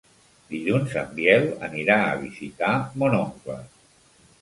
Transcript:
Dilluns en Biel anirà a visitar mon oncle.